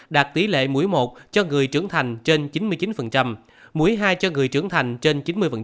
đạt tỷ lệ mũi một cho người trưởng thành trên chín mươi chín mũi hai cho người trưởng thành trên chín mươi